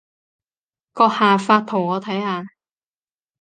閣下發圖我睇下